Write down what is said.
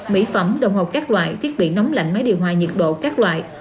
mỹ phẩm đồng học các loại thiết bị nóng lạnh máy điều hòa nhiệt độ các loại